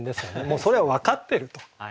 もうそりゃ分かってると。